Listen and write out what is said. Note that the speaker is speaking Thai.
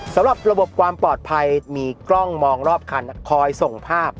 สำหรับระบบความปลอดภัยมีกล้องมองรอบคันคอยส่งภาพ